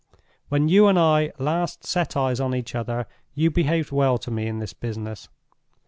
When you and I last set eyes on each other, you behaved well to me in this business.